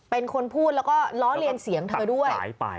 เป็นคนพูดแล้วก็ล้อเลียนเสียงเธอด้วย